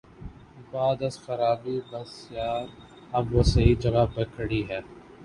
بعد از خرابیٔ بسیار، اب وہ صحیح جگہ پہ کھڑی ہے۔